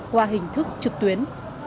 qua hình thức trực tuyến